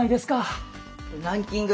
ランキング